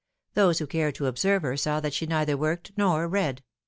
Those who cared to observe her saw that she neither worked nor read.